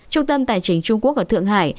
trung tâm tài chính trung quốc ở thượng hải